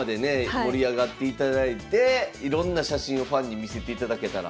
盛り上がっていただいていろんな写真をファンに見せていただけたら。